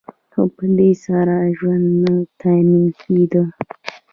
خو په دې سره ژوند نه تأمین کیده.